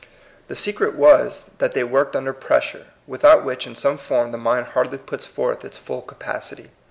The secret was, that they worked under pressure, without which in some form the mind hardly puts forth its full capacity.